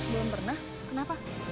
belum pernah kenapa